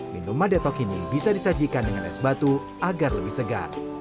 minuman detok ini bisa disajikan dengan es batu agar lebih segar